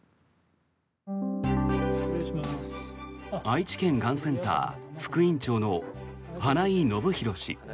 愛知県がんセンター副院長の花井信広氏。